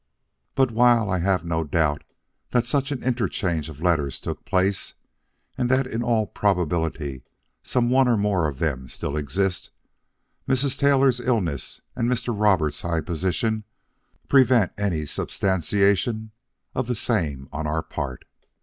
But while I have no doubt that such an interchange of letters took place, and that in all probability some one or more of them still exist, Mrs. Taylor's illness and Mr. Roberts' high position prevent any substantiation of the same on our part.